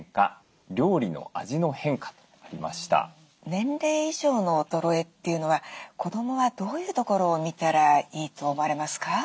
年齢以上の衰えというのは子どもはどういうところを見たらいいと思われますか？